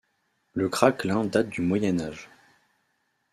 Le craquelin date du Moyen Âge.